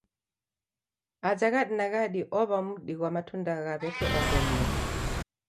Aja ghadi na ghadi owa mdi ghwa matunda gha weke ongolua.